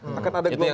itu yang satu kedua ya